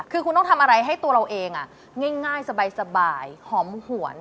คือคุณต้องทำอะไรให้ตัวเราเองง่ายสบายหอมหวน